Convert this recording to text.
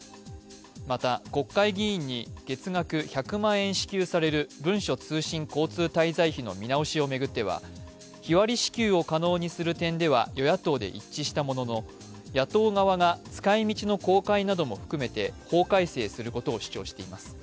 また、国会議員に月額１００万円支給される文書通信交通滞在費の見直しを巡っては日割り支給を可能にする点では与野党で一致したものの野党側が使いみちの公開なども含めて法改正することを主張しています。